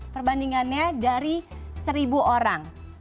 empat puluh tiga perbandingannya dari seribu orang